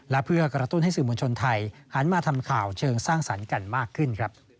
และเพื่อกระตุ้นให้สื่อมวลชนไทยหันมาทำข่าวเชิงสร้างสรรค์กันมากขึ้น